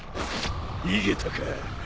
逃げたか。